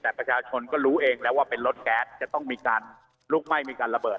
แต่ประชาชนก็รู้เองแล้วว่าเป็นรถแก๊สจะต้องมีการลุกไหม้มีการระเบิด